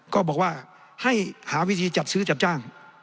ก็บอกว่าให้หาวิธีจัดซื้อจัดจ้าง